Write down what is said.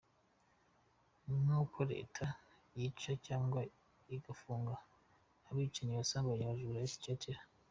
Ni nkuko Leta yica cyangwa igafunga abicanyi, abasambanyi, abajura, etc.